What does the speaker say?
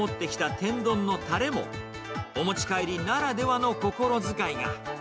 天丼のたれも、お持ち帰りならではの心遣いが。